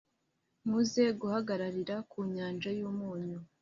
muze guhagararira ku nyanja y’umunyu.